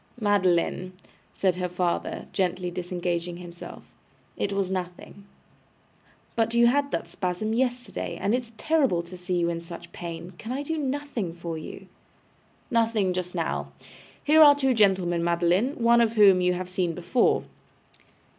'Madeline,' said her father, gently disengaging himself, 'it was nothing.' 'But you had that spasm yesterday, and it is terrible to see you in such pain. Can I do nothing for you?' 'Nothing just now. Here are two gentlemen, Madeline, one of whom you have seen before.